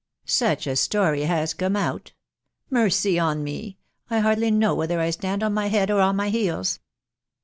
such a story has come out ! Mercy on me ! I hardly know whether I stand on my head or my heels